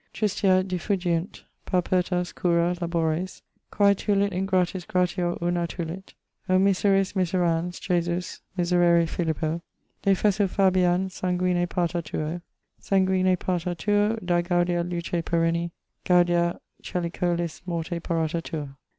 Tristia diffugiunt, paupertas, cura, labores, Quae tulit ingratis gratior urna tulit. O miseris miserans, Jesus, miserere Philippo; Defesso Fabian sanguine parta tuo, Sanguine parta tuo, da gaudia luce perenni, Gaudia coelicolis morte parata tua.